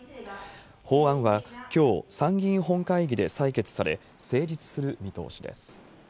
法案はきょう、参議院本会議で採決され、成立する見通しです。